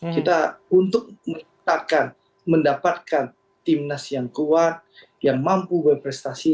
kita untuk mendapatkan timnas yang kuat yang mampu berprestasi